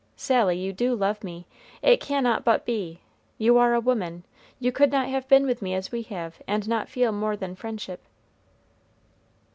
"Sally, you do love me. It cannot but be. You are a woman; you could not have been with me as we have and not feel more than friendship."